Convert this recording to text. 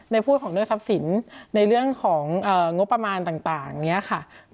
พูดของเรื่องทรัพย์สินในเรื่องของงบประมาณต่างเนี่ยค่ะ